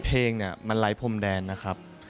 เพลงเนี่ยมันไร้พรมแดนนะครับ